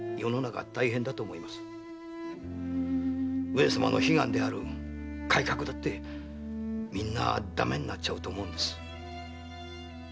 上様の悲願である改革だってみんな駄目になると思うんです。